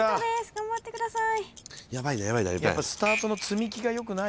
・頑張ってください。